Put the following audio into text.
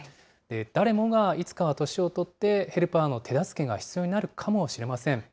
誰もがいつかは年を取って、ヘルパーの手助けが必要になるかもしれません。